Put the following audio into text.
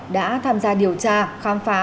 đã tham gia điều tra khám phá